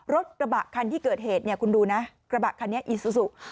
รถกระบะคันที่เกิดเหตุเนี่ยคุณดูนะกระบะคันนี้อีซูซู